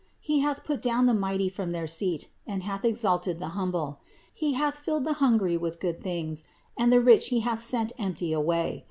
52. He hath put down the mighty from their seat and hath exalted the humble. 53. He hath filled the hungry with good things; and the rich He hath sent empty away.